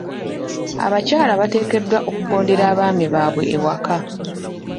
Abakyala bateekeddwa okugondera abaami baabwe ewaka.